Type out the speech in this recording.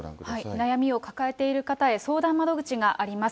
悩みを抱えている方へ、相談窓口があります。